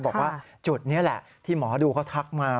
บอกว่าจุดนี้แหละที่หมอดูเขาทักมา